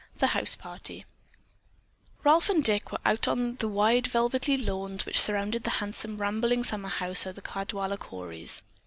THE HOUSE PARTY Ralph and Dick were out on the wide velvety lawn which surrounded the handsome rambling summer home of the Caldwaller Corys.